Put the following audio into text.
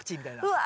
うわ。